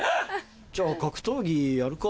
じゃあ格闘技やるか。